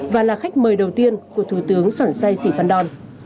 và là khách mời đầu tiên của thủ tướng sỏn sai sĩ phan đòn